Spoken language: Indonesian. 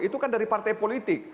itu kan dari partai politik